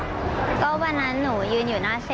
ฟังเสียงของนักศึกษาหญิงเล่าเรื่องนี้ให้ฟังหน่อยครับ